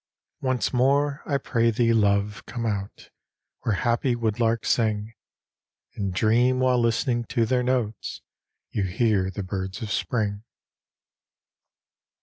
Once more, I pray thee, love, come out, Where happy woodlarks sing, And dream, while listening to their notes, You hear the birds of Spring.